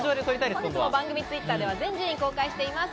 本日も番組Ｔｗｉｔｔｅｒでは全順位を公開しています。